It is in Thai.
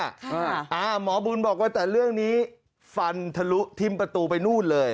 อ่าหมอบุญบอกว่าแต่เรื่องนี้ฟันทะลุทิ้มประตูไปนู่นเลย